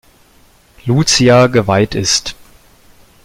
Luzia geweiht ist.